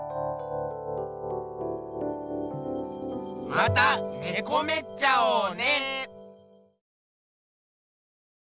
またねこめっちゃおね。